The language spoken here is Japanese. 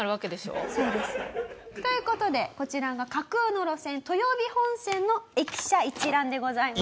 そうです。という事でこちらが架空の路線豊美本線の駅舎一覧でございます。